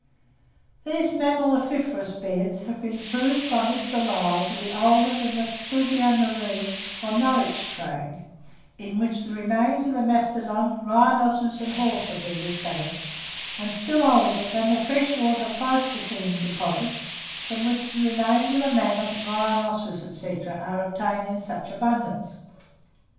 These mammaliferous beds have been proved by Mr. Lyell to be older than the fluvio marine, or Norwich crag, in which remains of the mastodon, rhinoceros, and horse have been discovered; and still older than the fresh water pleistocene deposits, from which the remains of the mammoth, rhinoceros, &c. are obtained in such abundance.